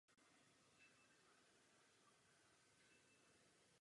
Samozřejmě vyzýváme všechny strany, Gruzii i Rusko, aby zachovaly rozvahu.